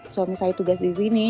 suami saya tugas di sini